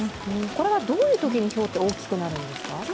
これはどういうときにひょうは大きくなるんですか？